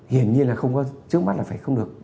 hiển nhiên là không có trước mắt là phải không được